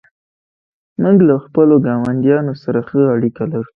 موږ له خپلو ګاونډیانو سره ښه اړیکه لرو.